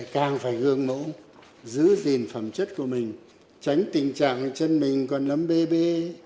càng phải gương mẫu giữ gìn phẩm chất của mình tránh tình trạng chân mình còn lấm bê bê